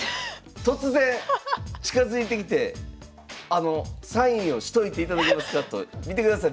突然近づいてきて「あのサインをしといていただけますか」と。見てください